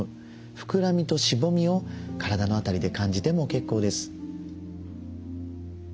膨らみとしぼみを体の辺りで感じても結構です。